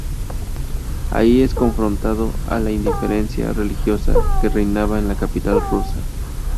Ahí es confrontado a la indiferencia religiosa que reinaba en la capital rusa.